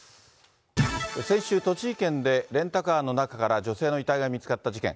先週、栃木県でレンタカーの中から女性の遺体が見つかった事件。